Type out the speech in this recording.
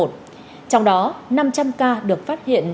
trong đó năm trăm linh ca được phát hiện